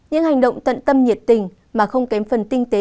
những hành động tận tâm nhiệt tình mà không kém phần tinh tế